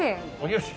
よし！